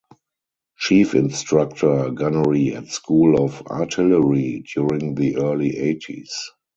Chief Instructor Gunnery at School of Artillery during the early eighties.